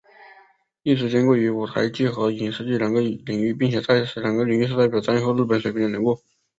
一直兼顾于舞台剧和影视剧两个领域并且在此两个领域是代表战后日本水平的人物。